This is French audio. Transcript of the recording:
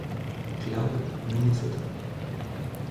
Cloud, Minnesota.